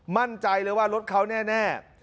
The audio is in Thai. มั่นใจเลยว่ารถเขาแน่